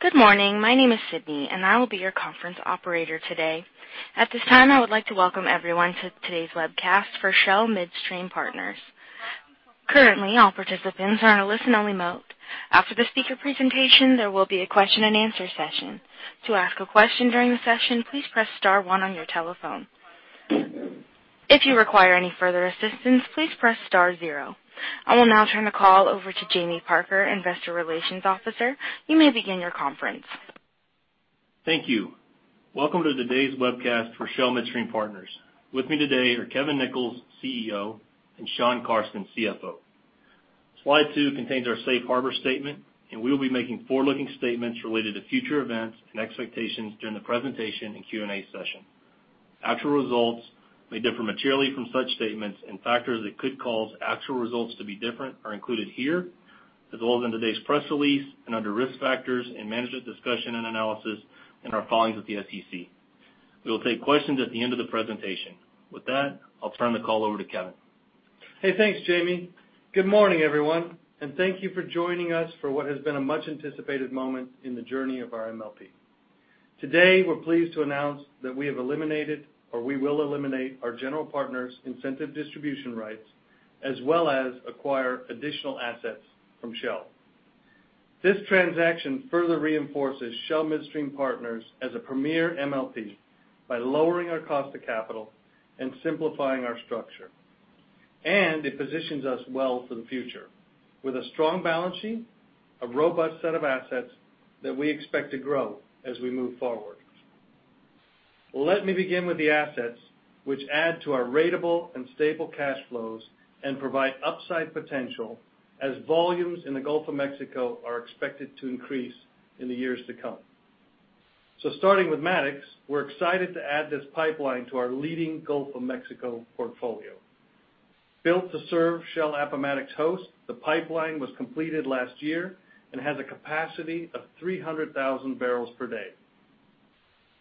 Good morning. My name is Sydney, and I will be your conference operator today. At this time, I would like to welcome everyone to today's webcast for Shell Midstream Partners. Currently, all participants are on a listen-only mode. After the speaker presentation, there will be a question and answer session. To ask a question during the session, please press star one on your telephone. If you require any further assistance, please press star zero. I will now turn the call over to Jamie Parker, Investor Relations Officer. You may begin your conference. Thank you. Welcome to today's webcast for Shell Midstream Partners. With me today are Kevin Nichols, CEO, and Shawn Carsten, CFO. Slide two contains our safe harbor statement, and we will be making forward-looking statements related to future events and expectations during the presentation and Q&A session. Actual results may differ materially from such statements, and factors that could cause actual results to be different are included here, as well as in today's press release and under Risk Factors and Management Discussion and Analysis in our filings with the SEC. We will take questions at the end of the presentation. With that, I'll turn the call over to Kevin. Hey, thanks, Jamie. Good morning, everyone, and thank you for joining us for what has been a much-anticipated moment in the journey of our MLP. Today, we're pleased to announce that we have eliminated, or we will eliminate, our general partners incentive distribution rights, as well as acquire additional assets from Shell. This transaction further reinforces Shell Midstream Partners as a premier MLP by lowering our cost of capital and simplifying our structure. It positions us well for the future with a strong balance sheet, a robust set of assets that we expect to grow as we move forward. Let me begin with the assets, which add to our ratable and stable cash flows and provide upside potential as volumes in the Gulf of Mexico are expected to increase in the years to come. Starting with Mattox, we're excited to add this pipeline to our leading Gulf of Mexico portfolio. Built to serve Shell Appomattox Host, the pipeline was completed last year and has a capacity of 300,000 barrels per day.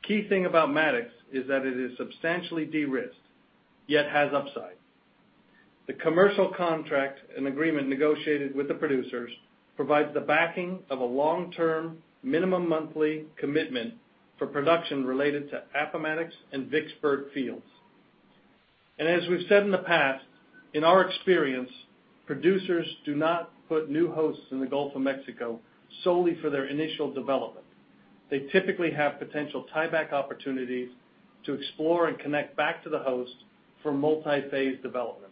Key thing about Mattox is that it is substantially de-risked, yet has upside. The commercial contract and agreement negotiated with the producers provides the backing of a long-term minimum monthly commitment for production related to Appomattox and Vicksburg fields. As we've said in the past, in our experience, producers do not put new hosts in the Gulf of Mexico solely for their initial development. They typically have potential tieback opportunities to explore and connect back to the host for multi-phase developments.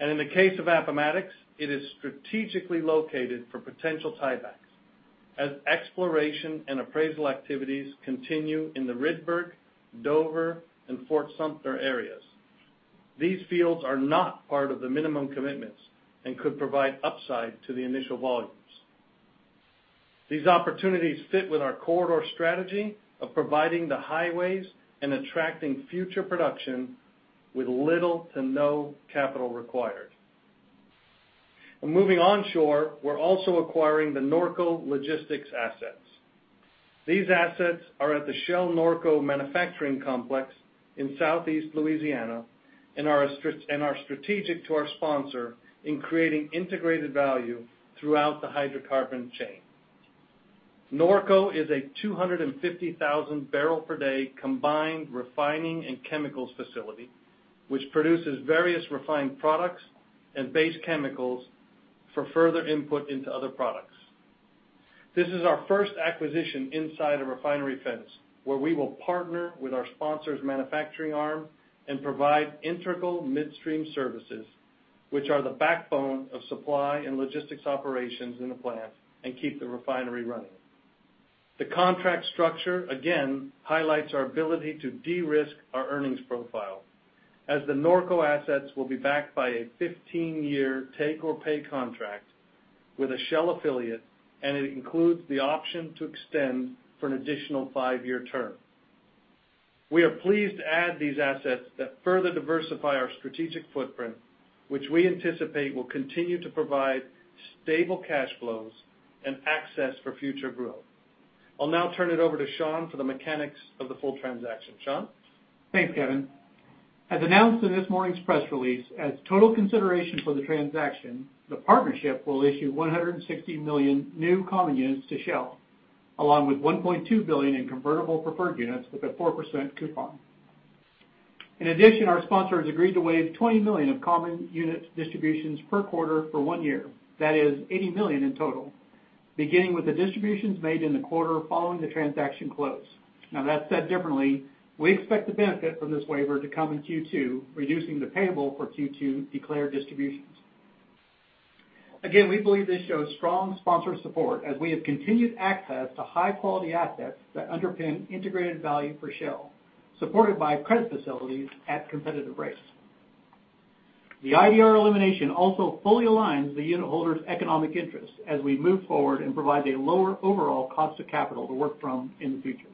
In the case of Appomattox, it is strategically located for potential tiebacks as exploration and appraisal activities continue in the Rydberg, Dover, and Fort Sumter areas. These fields are not part of the minimum commitments and could provide upside to the initial volumes. These opportunities fit with our corridor strategy of providing the highways and attracting future production with little to no capital required. Moving onshore, we're also acquiring the Norco logistics assets. These assets are at the Shell Norco Manufacturing Complex in Southeast Louisiana and are strategic to our sponsor in creating integrated value throughout the hydrocarbon chain. Norco is a 250,000-barrel-per-day combined refining and chemicals facility, which produces various refined products and base chemicals for further input into other products. This is our first acquisition inside a refinery fence, where we will partner with our sponsor's manufacturing arm and provide integral midstream services, which are the backbone of supply and logistics operations in the plant and keep the refinery running. The contract structure, again, highlights our ability to de-risk our earnings profile, as the Norco assets will be backed by a 15-year take-or-pay contract with a Shell affiliate, and it includes the option to extend for an additional five-year term. We are pleased to add these assets that further diversify our strategic footprint, which we anticipate will continue to provide stable cash flows and access for future growth. I'll now turn it over to Shawn for the mechanics of the full transaction. Shawn? Thanks, Kevin. As announced in this morning's press release, as total consideration for the transaction, the partnership will issue 160 million new common units to Shell, along with $1.2 billion in convertible preferred units with a 4% coupon. In addition, our sponsor has agreed to waive $20 million of common unit distributions per quarter for one year. That is $80 million in total, beginning with the distributions made in the quarter following the transaction close. That said differently, we expect the benefit from this waiver to come in Q2, reducing the payable for Q2 declared distributions. Again, we believe this shows strong sponsor support as we have continued access to high-quality assets that underpin integrated value for Shell, supported by credit facilities at competitive rates. The IDR elimination also fully aligns the unitholders' economic interests as we move forward and provide a lower overall cost of capital to work from in the future.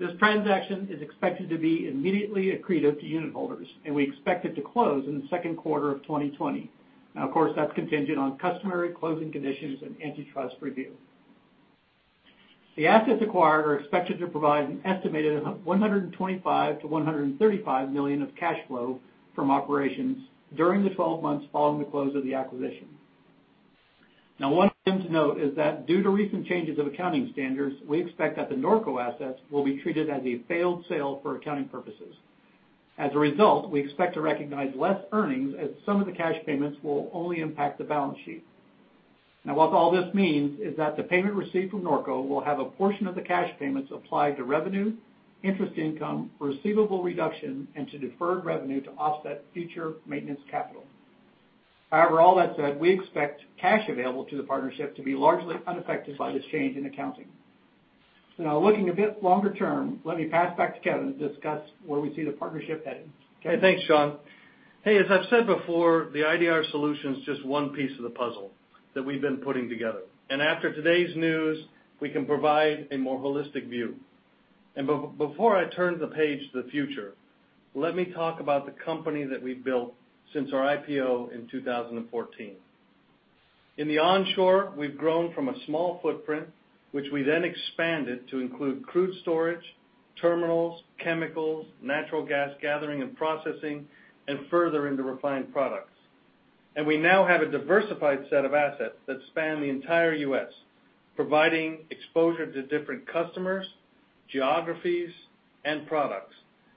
This transaction is expected to be immediately accretive to unitholders, and we expect it to close in the second quarter of 2020. Of course, that's contingent on customary closing conditions and antitrust review. The assets acquired are expected to provide an estimated $125 million-$135 million of cash flow from operations during the 12 months following the close of the acquisition. One thing to note is that due to recent changes of accounting standards, we expect that the Norco assets will be treated as a failed sale for accounting purposes. As a result, we expect to recognize less earnings as some of the cash payments will only impact the balance sheet. What all this means is that the payment received from Norco will have a portion of the cash payments applied to revenue, interest income, receivable reduction, and to deferred revenue to offset future maintenance capital. All that said, we expect cash available to the partnership to be largely unaffected by this change in accounting. Now looking a bit longer term, let me pass back to Kevin to discuss where we see the partnership heading. Kevin? Okay, thanks, Shawn. Hey, as I've said before, the IDR solution is just one piece of the puzzle that we've been putting together. After today's news, we can provide a more holistic view. Before I turn the page to the future, let me talk about the company that we've built since our IPO in 2014. In the onshore, we've grown from a small footprint, which we then expanded to include crude storage, terminals, chemicals, natural gas gathering and processing, and further into refined products. We now have a diversified set of assets that span the entire U.S., providing exposure to different customers, geographies, and products,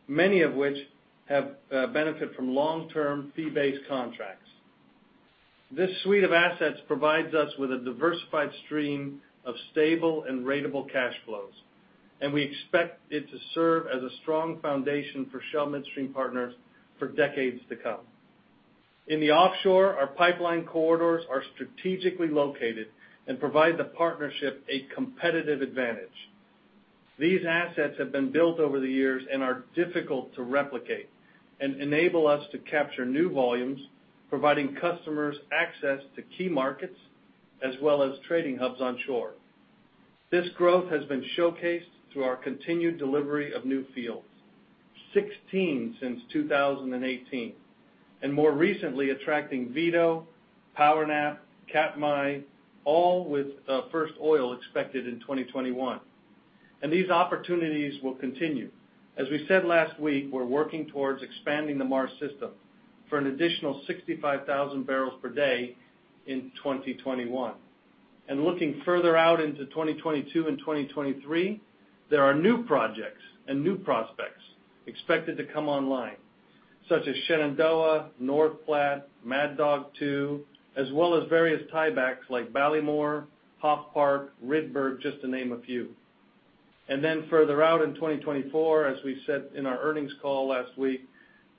many of which have benefit from long-term fee-based contracts. This suite of assets provides us with a diversified stream of stable and ratable cash flows. We expect it to serve as a strong foundation for Shell Midstream Partners for decades to come. In the offshore, our pipeline corridors are strategically located and provide the partnership a competitive advantage. These assets have been built over the years and are difficult to replicate and enable us to capture new volumes, providing customers access to key markets as well as trading hubs onshore. This growth has been showcased through our continued delivery of new fields, 16 since 2018, and more recently attracting Vito, PowerNap, Cap Mai, all with first oil expected in 2021. These opportunities will continue. As we said last week, we're working towards expanding the Mars system for an additional 65,000 barrels per day in 2021. Looking further out into 2022 and 2023, there are new projects and new prospects expected to come online, such as Shenandoah, North Platte, Mad Dog II, as well as various tiebacks like Ballymore, Hoff Park, Rydberg, just to name a few. Further out in 2024, as we said in our earnings call last week,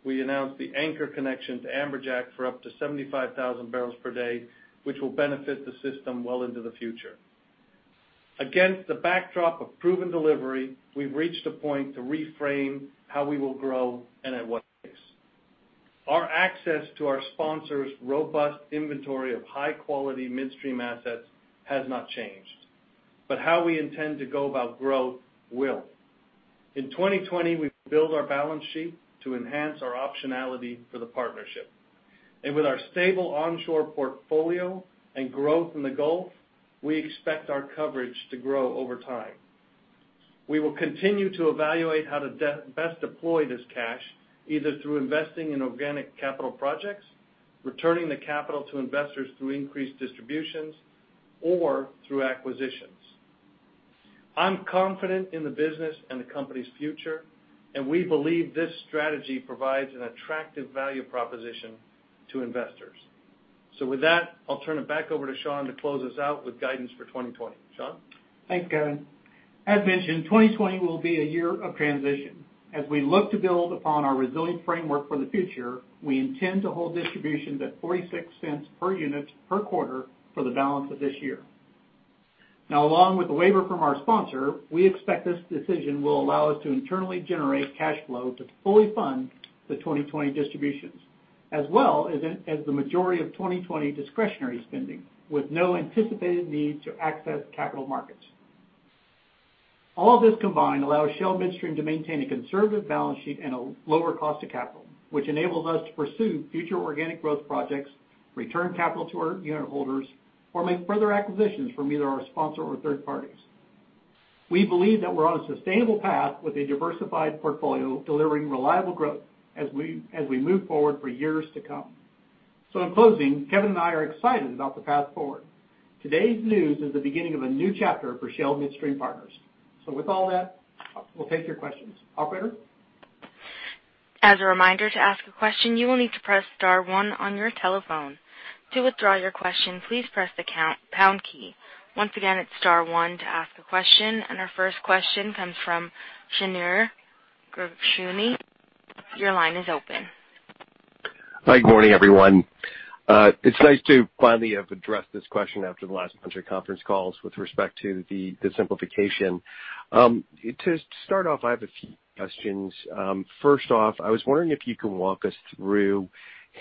we announced the anchor connection to Amberjack for up to 75,000 barrels per day, which will benefit the system well into the future. Against the backdrop of proven delivery, we've reached a point to reframe how we will grow and at what pace. Our access to our sponsors' robust inventory of high-quality midstream assets has not changed, but how we intend to go about growth will. In 2020, we've built our balance sheet to enhance our optionality for the partnership. With our stable onshore portfolio and growth in the Gulf, we expect our coverage to grow over time. We will continue to evaluate how to best deploy this cash, either through investing in organic capital projects, returning the capital to investors through increased distributions, or through acquisitions. I'm confident in the business and the company's future, and we believe this strategy provides an attractive value proposition to investors. With that, I'll turn it back over to Shawn to close us out with guidance for 2020. Shawn? Thanks, Kevin. As mentioned, 2020 will be a year of transition. As we look to build upon our resilient framework for the future, we intend to hold distributions at $0.46 per unit per quarter for the balance of this year. Along with the waiver from our sponsor, we expect this decision will allow us to internally generate cash flow to fully fund the 2020 distributions, as well as the majority of 2020 discretionary spending with no anticipated need to access capital markets. All of this combined allows Shell Midstream to maintain a conservative balance sheet and a lower cost of capital, which enables us to pursue future organic growth projects, return capital to our unit holders, or make further acquisitions from either our sponsor or third parties. We believe that we're on a sustainable path with a diversified portfolio delivering reliable growth as we move forward for years to come. In closing, Kevin and I are excited about the path forward. Today's news is the beginning of a new chapter for Shell Midstream Partners. With all that, we'll take your questions. Operator? As a reminder, to ask a question, you will need to press star one on your telephone. To withdraw your question, please press the pound key. Once again, it is star one to ask a question, our first question comes from Shneur Gershuni. Your line is open. Hi, good morning, everyone. It is nice to finally have addressed this question after the last bunch of conference calls with respect to the simplification. To start off, I have a few questions. First off, I was wondering if you could walk us through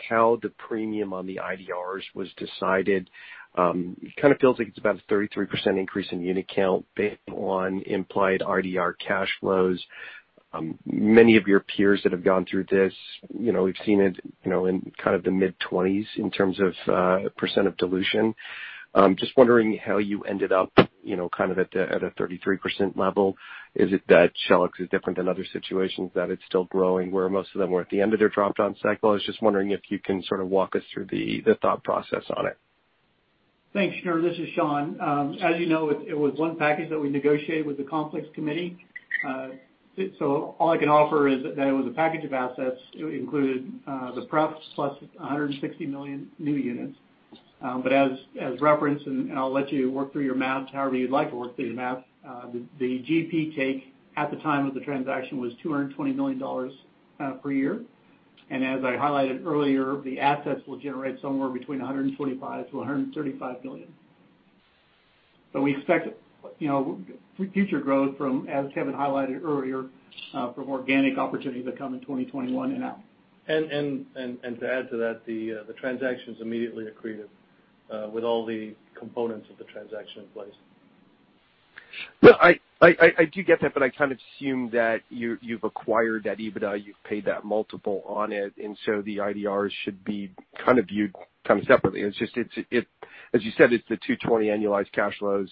how the premium on the IDRs was decided. It kind of feels like it is about a 33% increase in unit count based on implied IDR cash flows. Many of your peers that have gone through this, we have seen it in kind of the mid-20s in terms of % of dilution. Just wondering how you ended up at a 33% level. Is it that Shell's is different than other situations, that it is still growing where most of them were at the end of their drop-down cycle? I was just wondering if you can sort of walk us through the thought process on it. Thanks, Shneur. This is Shawn. As you know, it was one package that we negotiated with the conflicts committee. All I can offer is that it was a package of assets. It included the pref plus 160 million new units. As referenced, and I will let you work through your math however you would like to work through your math, the GP take at the time of the transaction was $220 million per year. As I highlighted earlier, the assets will generate somewhere between $125 million-$135 million. We expect future growth from, as Kevin highlighted earlier, from organic opportunities that come in 2021 and out. To add to that, the transaction is immediately accretive with all the components of the transaction in place. No, I do get that, I kind of assumed that you've acquired that EBITDA, you've paid that multiple on it, the IDRs should be kind of viewed separately. As you said, it's the $220 annualized cash flows,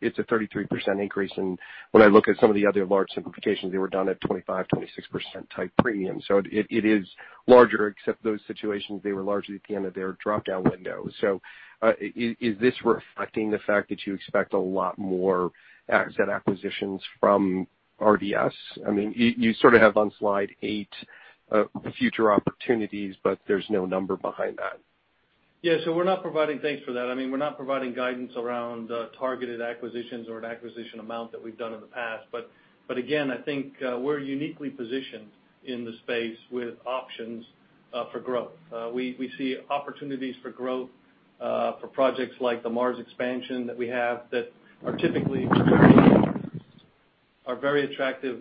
it's a 33% increase. When I look at some of the other large simplifications, they were done at 25%-26% type premium. It is larger, except those situations, they were largely at the end of their drop-down window. Is this reflecting the fact that you expect a lot more asset acquisitions from RDS? You sort of have on slide eight future opportunities, there's no number behind that. Yeah. We're not providing guidance around targeted acquisitions or an acquisition amount that we've done in the past. Again, I think we're uniquely positioned in the space with options for growth. We see opportunities for growth for projects like the Mars expansion that we have that are typically are very attractive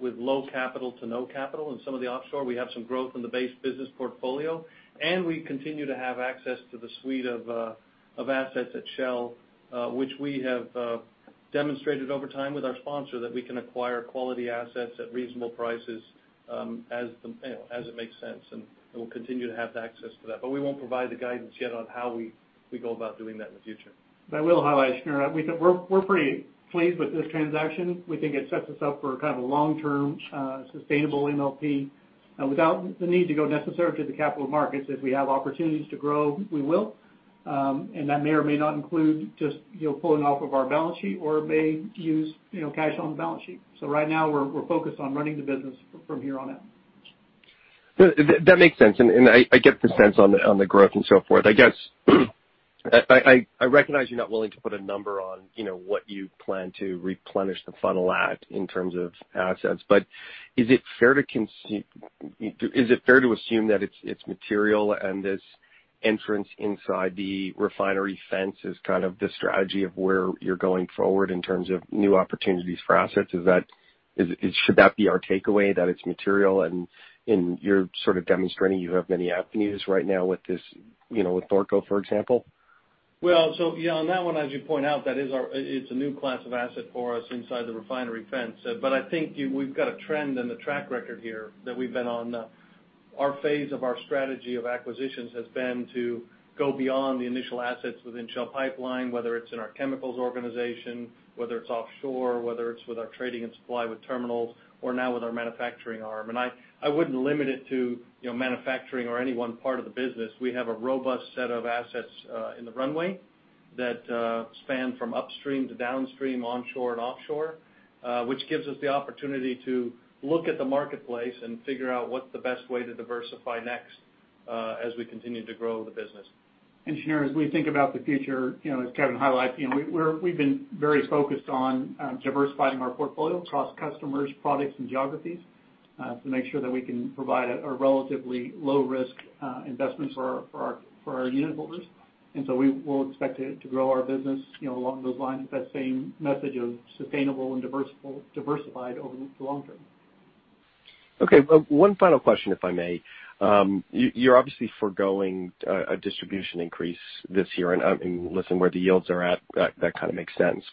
with low capital to no capital. In some of the offshore, we have some growth in the base business portfolio, we continue to have access to the suite of assets at Shell, which we have demonstrated over time with our sponsor, that we can acquire quality assets at reasonable prices as it makes sense, we'll continue to have access to that. We won't provide the guidance yet on how we go about doing that in the future. I will highlight, Shneur, we're pretty pleased with this transaction. We think it sets us up for kind of a long-term, sustainable MLP without the need to go necessarily to the capital markets. If we have opportunities to grow, we will. That may or may not include just pulling off of our balance sheet or may use cash on the balance sheet. Right now, we're focused on running the business from here on out. That makes sense, I get the sense on the growth and so forth. I guess I recognize you're not willing to put a number on what you plan to replenish the funnel at in terms of assets. Is it fair to assume that it's material and this entrance inside the refinery fence is kind of the strategy of where you're going forward in terms of new opportunities for assets? Should that be our takeaway, that it's material, you're sort of demonstrating you have many avenues right now with Norco, for example? Yeah. On that one, as you point out, it's a new class of asset for us inside the refinery fence. I think we've got a trend and a track record here that we've been on. Our phase of our strategy of acquisitions has been to go beyond the initial assets within Shell Pipeline, whether it's in our chemicals organization, whether it's offshore, whether it's with our trading and supply with terminals, or now with our manufacturing arm. I wouldn't limit it to manufacturing or any one part of the business. We have a robust set of assets in the runway that span from upstream to downstream, onshore and offshore, which gives us the opportunity to look at the marketplace and figure out what's the best way to diversify next as we continue to grow the business. Shneur, as we think about the future, as Kevin highlighted, we've been very focused on diversifying our portfolio across customers, products, and geographies to make sure that we can provide a relatively low-risk investment for our unitholders. We'll expect to grow our business along those lines with that same message of sustainable and diversified over the long term. Okay. One final question, if I may. You're obviously foregoing a distribution increase this year, listen, where the yields are at, that kind of makes sense.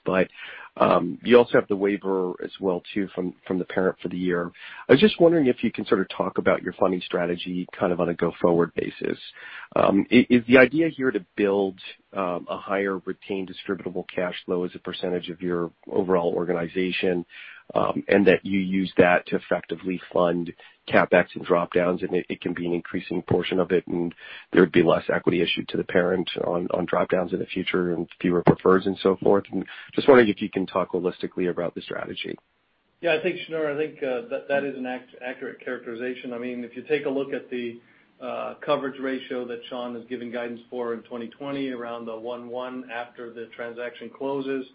You also have the waiver as well too from the parent for the year. I was just wondering if you can sort of talk about your funding strategy on a go-forward basis. Is the idea here to build a higher retained Distributable Cash Flow as a percentage of your overall organization, that you use that to effectively fund CapEx and drop-downs, it can be an increasing portion of it, there'd be less equity issued to the parent on drop-downs in the future and fewer prefers and so forth? Just wondering if you can talk holistically about the strategy. I think, Shneur, I think that is an accurate characterization. If you take a look at the coverage ratio that Shawn is giving guidance for in 2020, around the one-one after the transaction closes.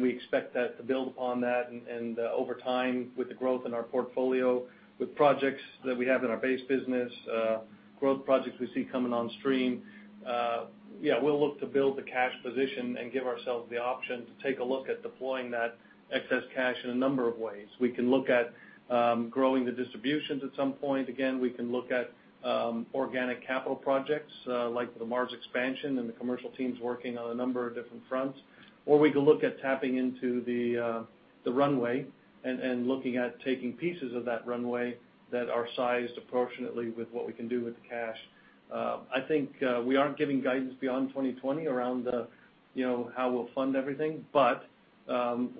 We expect that to build upon that, over time with the growth in our portfolio, with projects that we have in our base business, growth projects we see coming on stream. We'll look to build the cash position and give ourselves the option to take a look at deploying that excess cash in a number of ways. We can look at growing the distributions at some point. Again, we can look at organic capital projects, like the Mars expansion and the commercial teams working on a number of different fronts. We can look at tapping into the runway and looking at taking pieces of that runway that are sized appropriately with what we can do with the cash. I think we aren't giving guidance beyond 2020 around how we'll fund everything.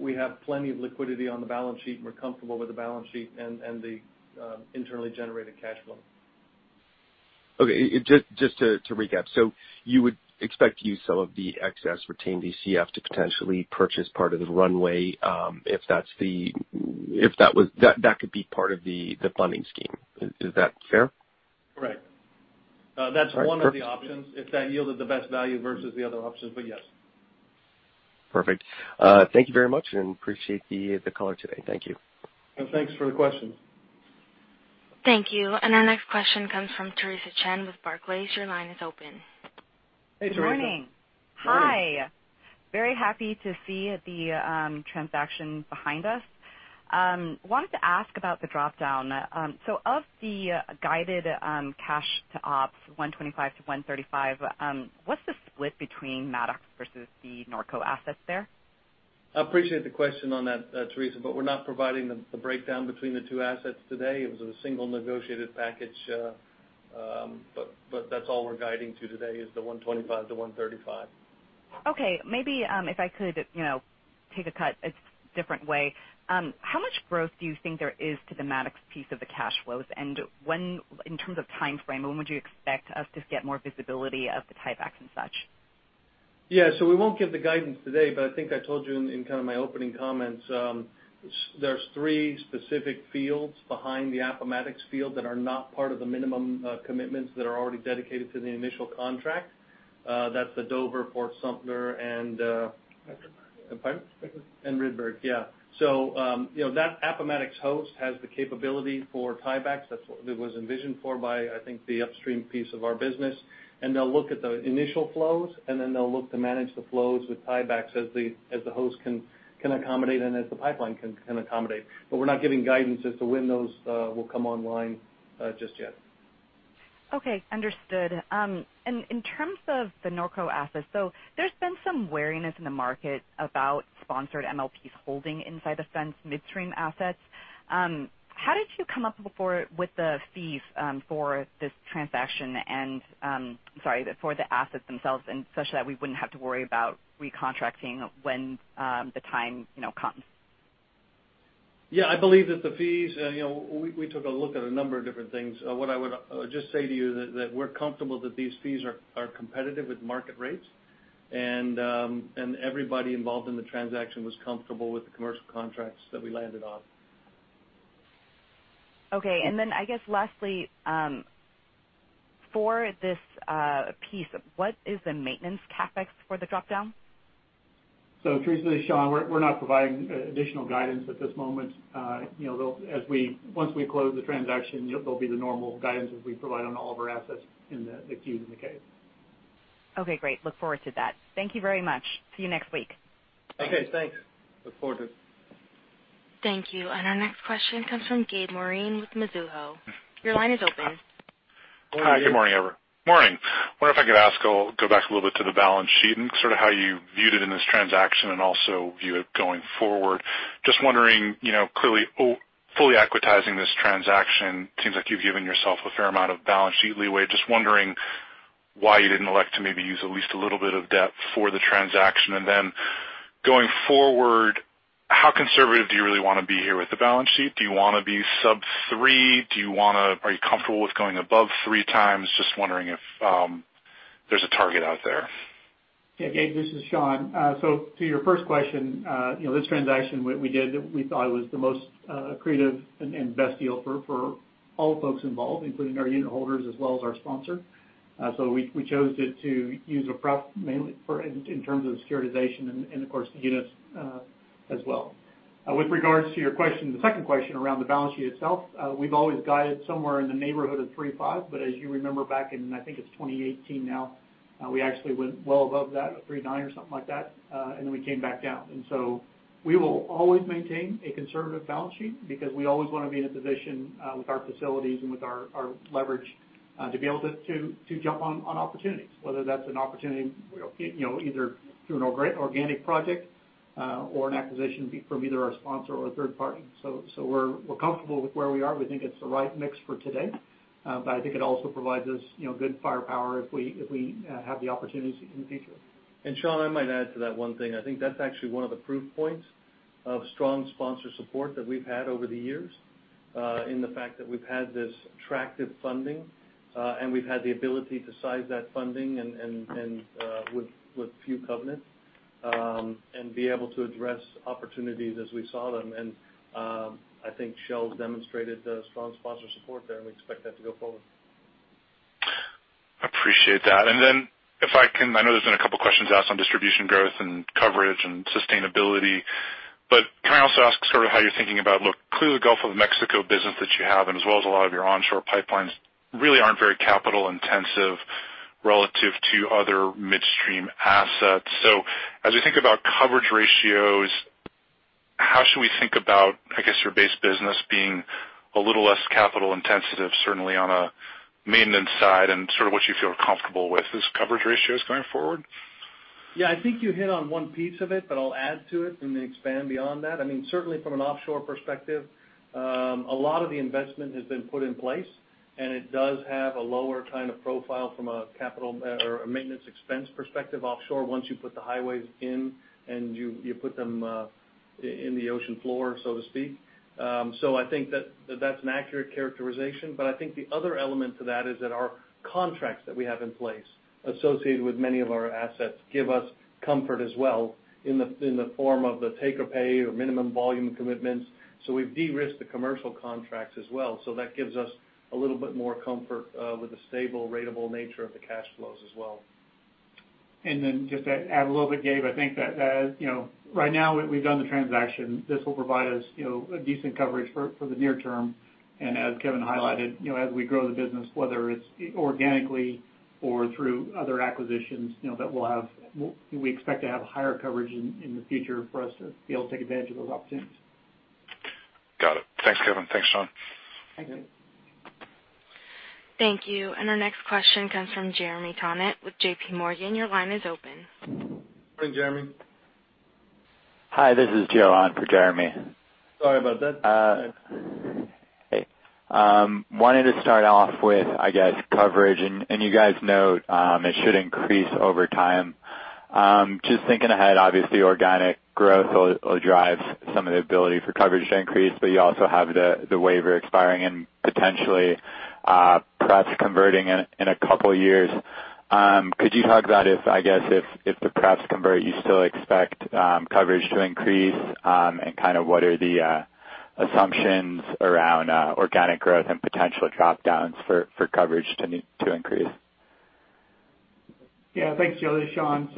We have plenty of liquidity on the balance sheet, and we're comfortable with the balance sheet and the internally generated cash flow. Okay. Just to recap, you would expect to use some of the excess retained DCF to potentially purchase part of the runway, that could be part of the funding scheme. Is that fair? Correct. All right. Perfect. That's one of the options. If that yielded the best value versus the other options. Yes. Perfect. Thank you very much, appreciate the call today. Thank you. Thanks for the question. Thank you. Our next question comes from Theresa Chen with Barclays. Your line is open. Hey, Theresa. Good morning. Morning. Hi. Very happy to see the transaction behind us. Wanted to ask about the drop-down. Of the guided cash to ops, $125-$135, what's the split between Mattox versus the Norco assets there? I appreciate the question on that, Theresa, we're not providing the breakdown between the two assets today. It was a single negotiated package. That's all we're guiding to today, is the $125-$135. Okay. Maybe if I could take a cut a different way. How much growth do you think there is to the Mattox piece of the cash flows? And in terms of timeframe, when would you expect us to get more visibility of the tiebacks and such? Yeah. We won't give the guidance today, but I think I told you in my opening comments, there's three specific fields behind the Appomattox field that are not part of the minimum commitments that are already dedicated to the initial contract. That's the Dover, Fort Sumter, and Ridgway. Pardon? Ridgway. Rydberg. Yeah. That Appomattox Host has the capability for tiebacks. That's what it was envisioned for by, I think, the upstream piece of our business. They'll look at the initial flows, and then they'll look to manage the flows with tiebacks as the Host can accommodate and as the pipeline can accommodate. We're not giving guidance as to when those will come online just yet. Okay. Understood. In terms of the Norco assets, there's been some wariness in the market about sponsored MLPs holding inside the fence midstream assets. How did you come up with the fees for this transaction? I'm sorry, for the assets themselves, and such that we wouldn't have to worry about recontracting when the time comes? Yeah. I believe that the fees. We took a look at a number of different things. What I would just say to you is that we're comfortable that these fees are competitive with market rates. Everybody involved in the transaction was comfortable with the commercial contracts that we landed on. Okay. I guess lastly, for this piece, what is the maintenance CapEx for the drop-down? Theresa, this is Shawn. We're not providing additional guidance at this moment. Once we close the transaction, there'll be the normal guidance as we provide on all of our assets in the Q and the K's. Okay, great. Look forward to that. Thank you very much. See you next week. Okay, thanks. Look forward to it. Thank you. Our next question comes from Gabe Moreen with Mizuho. Your line is open. Gabe. Hi, good morning, everyone. Wondering if I could ask, go back a little bit to the balance sheet and how you viewed it in this transaction and also view it going forward. Just wondering, clearly, fully equitizing this transaction, seems like you've given yourself a fair amount of balance sheet leeway. Just wondering why you didn't elect to maybe use at least a little bit of debt for the transaction. Then going forward, how conservative do you really want to be here with the balance sheet? Do you want to be sub three? Are you comfortable with going above three times? Just wondering if there's a target out there. Gabe, this is Shawn. To your first question, this transaction we did, we thought it was the most accretive and best deal for all folks involved, including our unit holders as well as our sponsor. We chose to use a pref mainly in terms of securitization and of course, the units as well. With regards to your question, the second question around the balance sheet itself. We've always guided somewhere in the neighborhood of 3.5, but as you remember back in, I think it's 2018 now, we actually went well above that, a 3.9 or something like that, and then we came back down. We will always maintain a conservative balance sheet because we always want to be in a position with our facilities and with our leverage to be able to jump on opportunities, whether that's an opportunity either through an organic project or an acquisition from either our sponsor or a third party. We're comfortable with where we are. We think it's the right mix for today. I think it also provides us good firepower if we have the opportunities in the future. Shawn, I might add to that one thing. I think that's actually one of the proof points of strong sponsor support that we've had over the years. In the fact that we've had this attractive funding, and we've had the ability to size that funding and with few covenants, and be able to address opportunities as we saw them. I think Shell's demonstrated a strong sponsor support there, and we expect that to go forward. Appreciate that. Then if I can, I know there's been a couple of questions asked on distribution growth and coverage and sustainability, can I also ask how you're thinking about, look, clearly Gulf of Mexico business that you have and as well as a lot of your onshore pipelines really aren't very capital intensive, relative to other midstream assets. As we think about coverage ratios, how should we think about your base business being a little less capital-intensive, certainly on a maintenance side and sort of what you feel comfortable with as coverage ratios going forward? I think you hit on one piece of it. I'll add to it and then expand beyond that. Certainly from an offshore perspective, a lot of the investment has been put in place. It does have a lower kind of profile from a maintenance expense perspective offshore once you put the highways in, you put them in the ocean floor, so to speak. I think that's an accurate characterization. I think the other element to that is that our contracts that we have in place associated with many of our assets give us comfort as well in the form of the take-or-pay or minimum volume commitments. We've de-risked the commercial contracts as well. That gives us a little bit more comfort with the stable ratable nature of the cash flows as well. Just to add a little bit, Gabe, I think that right now we've done the transaction. This will provide us a decent coverage for the near term. As Kevin highlighted, as we grow the business, whether it's organically or through other acquisitions, we expect to have higher coverage in the future for us to be able to take advantage of those opportunities. Got it. Thanks, Kevin. Thanks, Shawn. Thanks. Thank you. Thank you. Our next question comes from Jeremy Tonet with J.P. Morgan. Your line is open. Good morning, Jeremy. Hi, this is Joe on for Jeremy. Sorry about that. Hey. Wanted to start off with coverage, you guys note it should increase over time. Just thinking ahead, obviously organic growth will drive some of the ability for coverage to increase, but you also have the waiver expiring and potentially pref converting in a couple of years. Could you talk about if the pref convert you still expect coverage to increase? What are the assumptions around organic growth and potential drop-downs for coverage to increase? Yeah. Thanks, Joe. This is Shawn.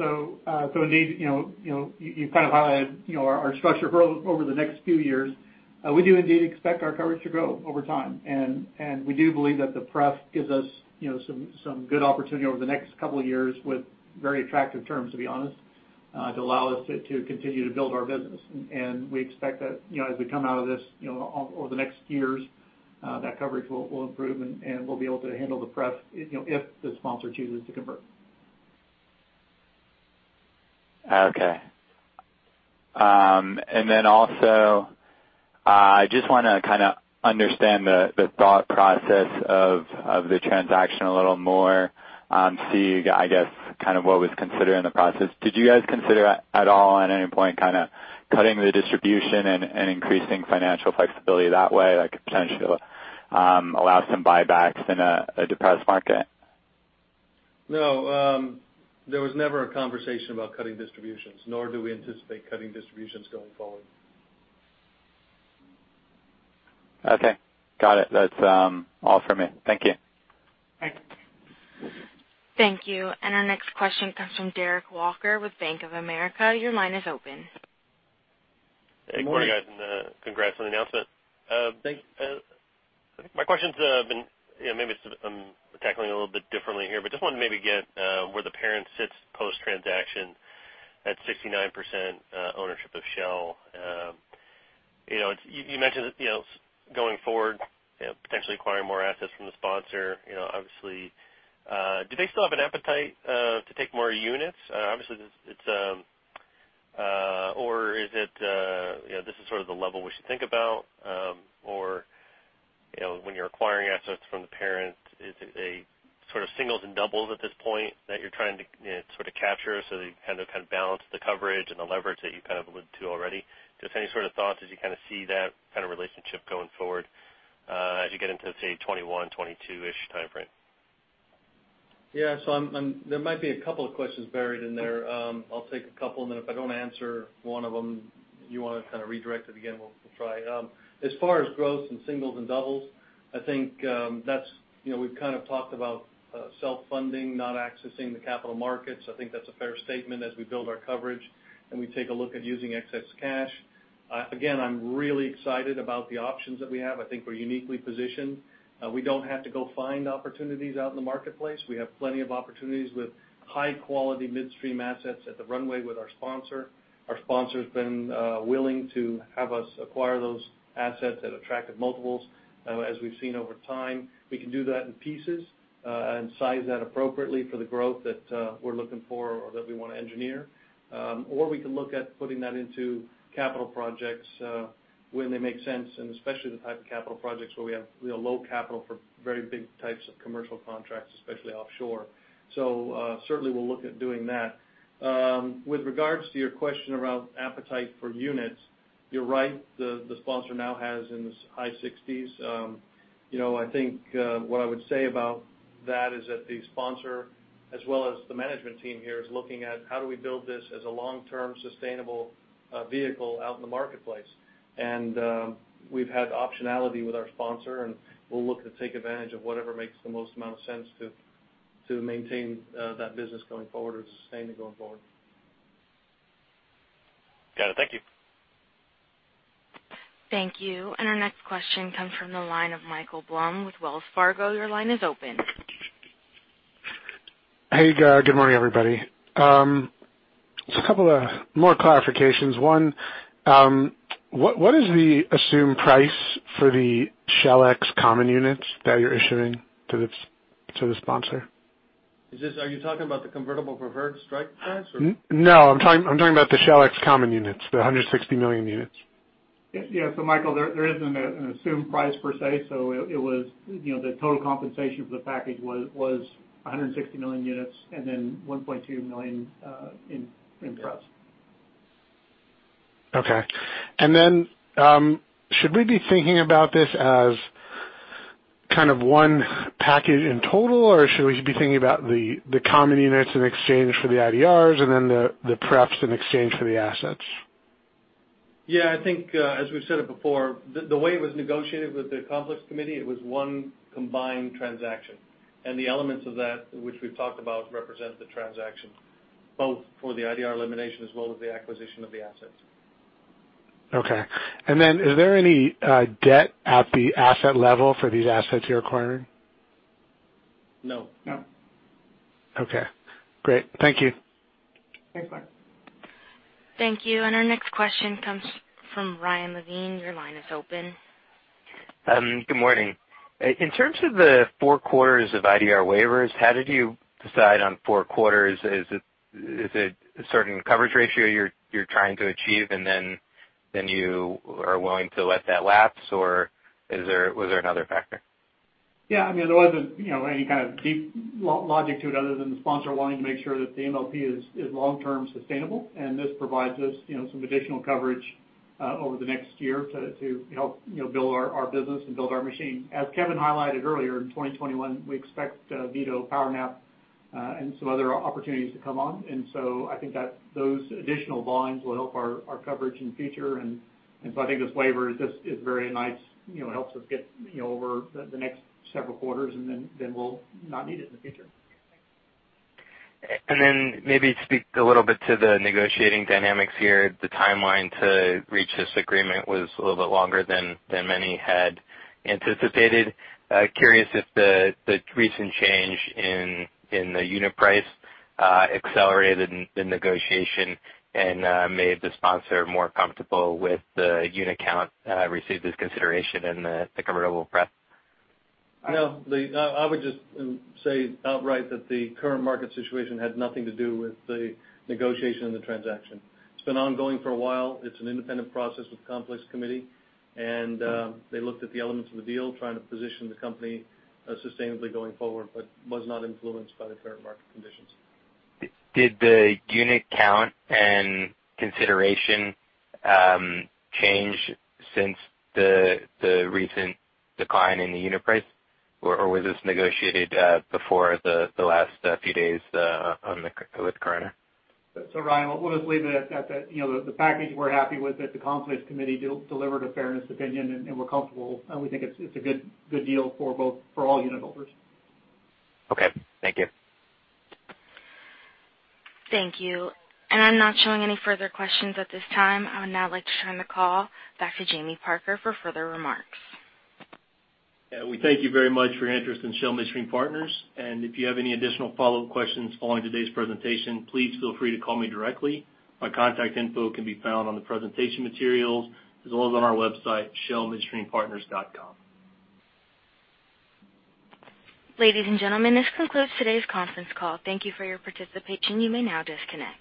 Indeed, you've kind of highlighted our structure growth over the next few years. We do indeed expect our coverage to grow over time, we do believe that the pref gives us some good opportunity over the next couple of years with very attractive terms, to be honest, to allow us to continue to build our business. We expect that as we come out of this over the next years, that coverage will improve, and we'll be able to handle the pref if the sponsor chooses to convert. Okay. Also, I just want to understand the thought process of the transaction a little more, see what was considered in the process. Did you guys consider at all on any point kind of cutting the distribution and increasing financial flexibility that way? Like potentially allow some buybacks in a depressed market? No, there was never a conversation about cutting distributions, nor do we anticipate cutting distributions going forward. Okay. Got it. That's all from me. Thank you. Thanks. Thank you. Our next question comes from Derek Walker with Bank of America. Your line is open. Good morning. Hey, good morning, guys, and congrats on the announcement. Thanks. My question's maybe I'm tackling it a little bit differently here, just wanted to maybe get where the parent sits post-transaction at 69% ownership of Shell. You mentioned going forward potentially acquiring more assets from the sponsor, obviously. Do they still have an appetite to take more units? Obviously, is it this is sort of the level we should think about, when you're acquiring assets from the parent, is it a sort of singles and doubles at this point that you're trying to sort of capture so that you kind of balance the coverage and the leverage that you kind of alluded to already? Just any sort of thoughts as you see that kind of relationship going forward as you get into, say, 2021, 2022-ish timeframe. Yeah. There might be a couple of questions buried in there. I'll take a couple, and then if I don't answer one of them, you want to kind of redirect it again, we'll try. As far as growth and singles and doubles, I think we've kind of talked about self-funding, not accessing the capital markets. I think that's a fair statement as we build our coverage and we take a look at using excess cash. Again, I'm really excited about the options that we have. I think we're uniquely positioned. We don't have to go find opportunities out in the marketplace. We have plenty of opportunities with high-quality midstream assets at the runway with our sponsor. Our sponsor's been willing to have us acquire those assets at attractive multiples. As we've seen over time, we can do that in pieces and size that appropriately for the growth that we're looking for or that we want to engineer. We can look at putting that into capital projects when they make sense, and especially the type of capital projects where we have low capital for very big types of commercial contracts, especially offshore. Certainly, we'll look at doing that. With regards to your question around appetite for units, you're right. The sponsor now has in the high 60s. I think what I would say about that is that the sponsor, as well as the management team here, is looking at how do we build this as a long-term sustainable vehicle out in the marketplace. We've had optionality with our sponsor, and we'll look to take advantage of whatever makes the most amount of sense to maintain that business going forward or sustain it going forward. Got it. Thank you. Thank you. Our next question comes from the line of Michael Blum with Wells Fargo. Your line is open. Hey, good morning, everybody. Just a couple of more clarifications. One, what is the assumed price for the SHLX common units that you're issuing to the sponsor? Are you talking about the convertible preferred strike price, or? No, I'm talking about the SHLX common units, the 160 million units. Michael, there isn't an assumed price per se. It was the total compensation for the package was 160 million units and then $1.2 billion in pref. Should we be thinking about this as kind of one package in total, or should we be thinking about the common units in exchange for the IDRs and then the preps in exchange for the assets? I think, as we've said it before, the way it was negotiated with the conflicts committee, it was one combined transaction. The elements of that, which we've talked about, represent the transaction, both for the IDR elimination as well as the acquisition of the assets. Okay. Then is there any debt at the asset level for these assets you're acquiring? No. No. Okay, great. Thank you. Great. Bye. Thank you. Our next question comes from Ryan Levine. Your line is open. Good morning. In terms of the four quarters of IDR waivers, how did you decide on four quarters? Is it a certain coverage ratio you're trying to achieve and then you are willing to let that lapse? Was there another factor? Yeah, there wasn't any kind of deep logic to it other than the sponsor wanting to make sure that the MLP is long-term sustainable. This provides us some additional coverage over the next year to help build our business and build our machine. As Kevin highlighted earlier, in 2021, we expect Vito, PowerNap, and some other opportunities to come on. I think that those additional volumes will help our coverage in the future. I think this waiver is very nice. It helps us get over the next several quarters, then we'll not need it in the future. Maybe speak a little bit to the negotiating dynamics here. The timeline to reach this agreement was a little bit longer than many had anticipated. Curious if the recent change in the unit price accelerated the negotiation and made the sponsor more comfortable with the unit count received as consideration in the convertible prep. No, I would just say outright that the current market situation had nothing to do with the negotiation of the transaction. It's been ongoing for a while. It's an independent process with the conflicts committee, they looked at the elements of the deal, trying to position the company sustainably going forward, was not influenced by the current market conditions. Did the unit count and consideration change since the recent decline in the unit price? Or was this negotiated before the last few days with Carter? Ryan, we'll just leave it at that. The package we're happy with, that the conflicts committee delivered a fairness opinion, and we're comfortable, and we think it's a good deal for all unit holders. Okay. Thank you. Thank you. I'm not showing any further questions at this time. I would now like to turn the call back to Jamie Parker for further remarks. Yeah, we thank you very much for your interest in Shell Midstream Partners. If you have any additional follow-up questions following today's presentation, please feel free to call me directly. My contact info can be found on the presentation materials as well as on our website, shellmidstreampartners.com. Ladies and gentlemen, this concludes today's conference call. Thank you for your participation. You may now disconnect.